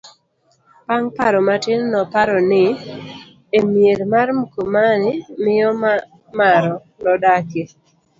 bang' paro matin, noparo ni e mier mar Mkomani miyo maro nodakie